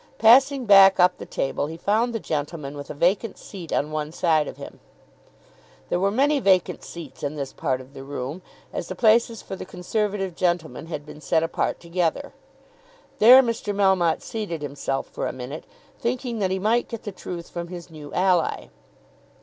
Passing back up the table, he found the gentleman with a vacant seat on one side of him. There were many vacant seats in this part of the room, as the places for the Conservative gentlemen had been set apart together. There Mr. Melmotte seated himself for a minute, thinking that he might get the truth from his new ally.